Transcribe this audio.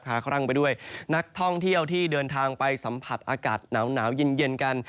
ครั่งไปด้วยนักท่องเที่ยวที่เดินทางไปสัมผัสอากาศหนาวเย็นกัน